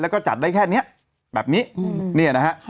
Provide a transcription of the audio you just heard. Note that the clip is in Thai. แล้วก็จัดได้แค่แบบนี้